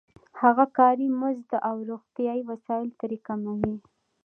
هغه کاري مزد او روغتیايي وسایل ترې کموي